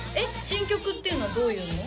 新曲っていうのはどういうの？